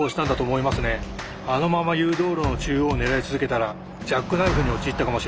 あのまま誘導路の中央を狙い続けたらジャックナイフに陥ったかもしれません。